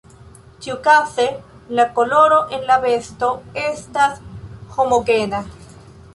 Ĉiukaze la koloro en la besto estas homogena.